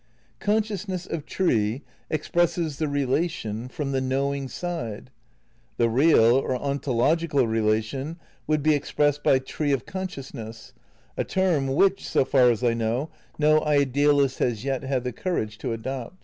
'' Consciousness of tree '' expresses the relation from the knowing side ; the real or ontological relation would be expressed by "tree of consciousness," a term which, so, far as I know, no idealist has yet had the courage to adopt.